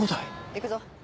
行くぞ。